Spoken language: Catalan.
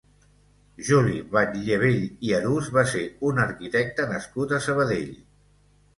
Juli Batllevell i Arús va ser un arquitecte nascut a Sabadell.